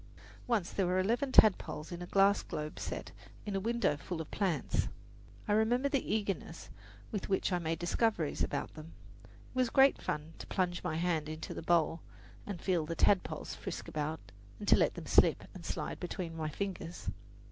Once there were eleven tadpoles in a glass globe set in a window full of plants. I remember the eagerness with which I made discoveries about them. It was great fun to plunge my hand into the bowl and feel the tadpoles frisk about, and to let them slip and slide between my fingers.